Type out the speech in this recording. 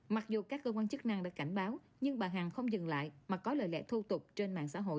mặc dù các cơ quan chức năng đã cảnh báo nhưng bà hằng không dừng lại mà có lời lẽ thô tục trên mạng xã hội